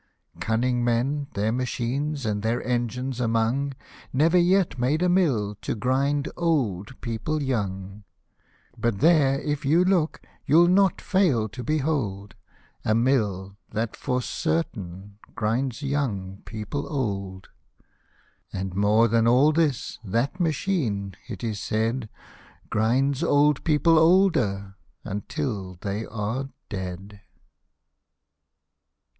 96 " Cunning men, their machines and their engines among, Never yet made a mill to grind old people young ; But there if you look you'll not fail to behold A mill that for certain grinds young people old ; And more than all this, that machine, it is said, Grinds old people older , until they are dead